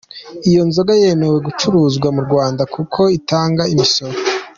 Iyo nzoga yemewe gucuruzwa mu Rwanda kuko itanga imisoro.